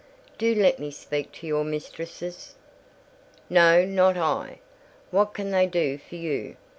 "Do let me speak to your mistresses." "No, not I. What can they do for you?